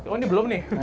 oh ini belum nih